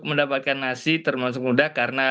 mendapatkan nasi termasuk mudah karena